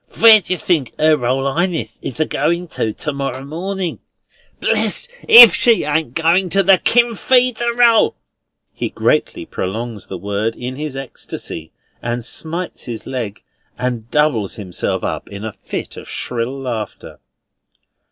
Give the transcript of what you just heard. "Where did yer think "Er Royal Highness is a goin' to to morrow morning? Blest if she ain't a goin' to the KIN FREE DER EL!" He greatly prolongs the word in his ecstasy, and smites his leg, and doubles himself up in a fit of shrill laughter.